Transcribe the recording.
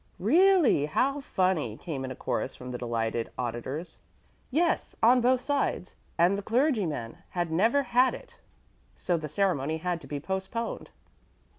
"Really? How funny!" came in a chorus from the delighted auditors. "Yes on both sides; and the clergyman had never had it, so the ceremony had to be postponed."